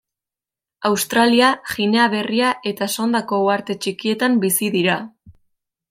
Australia, Ginea Berria eta Sondako Uharte Txikietan bizi dira.